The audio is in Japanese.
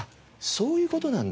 そういう事なんだ。